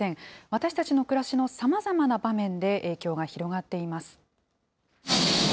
私たちの暮らしのさまざまな場面で影響が広がっています。